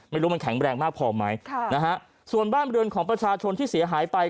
ไม่รู้มันแข็งแรงมากพอไหมค่ะนะฮะส่วนบ้านเรือนของประชาชนที่เสียหายไป